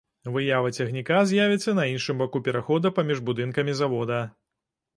Выява цягніка з'явіцца на іншым баку перахода паміж будынкамі завода.